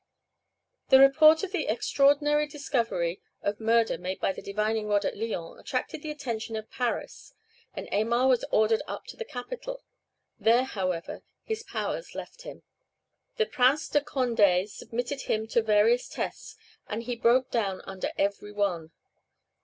The report of the extraordinary discovery of murder made by the divining rod at Lyons attracted the attention of Paris, and Aymar was ordered up to the capital. There, however, his powers left him. The Prince de Condé submitted him to various tests, and he broke down under every one.